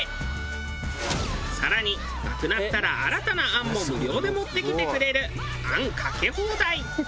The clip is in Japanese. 更になくなったら新たな餡も無料で持ってきてくれる餡かけ放題。